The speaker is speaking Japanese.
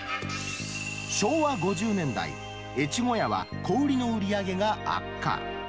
昭和５０年代、越後屋は小売りの売り上げが悪化。